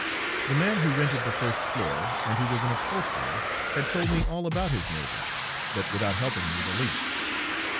The man who rented the first floor, and who was an upholsterer, had told me all about his neighbors, but without helping me the least.